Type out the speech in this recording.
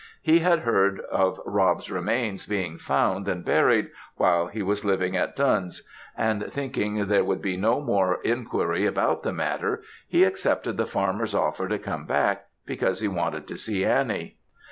He had heard of Rob's remains being found and buried, while he was living at Dunse; and thinking there would be no more enquiry about the matter, he accepted the farmer's offer to come back, because he wanted to see Annie.